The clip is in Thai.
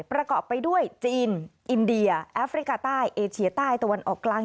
ประกอบไปด้วยจีนอินเดียแอฟริกาใต้เอเชียใต้ตะวันออกกลาง